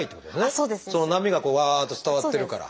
その波がこうわっと伝わってるから。